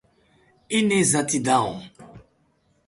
inexatidão